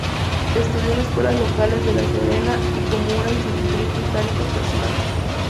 Estudió en escuelas locales de La Serena y con una institutriz británica personal.